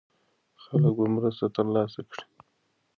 خلک به مرسته ترلاسه کړي.